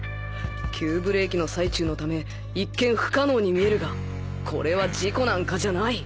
急ブレーキの最中のため一見不可能に見えるがこれは事故なんかじゃない。